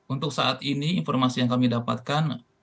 untuk saat ini informasi yang kami dapatkan